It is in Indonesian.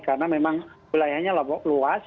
karena memang wilayahnya luas